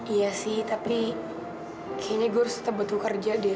iya sih tapi kayaknya gue harus tetap betul kerja deh